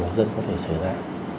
một dân có thể xảy ra